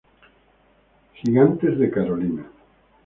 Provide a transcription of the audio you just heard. Gigantes de Carolina